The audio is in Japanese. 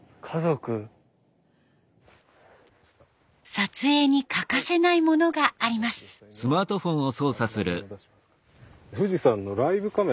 撮影に欠かせないものがあります。